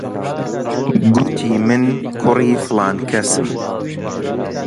گوتی من کوڕی فڵان کەسم.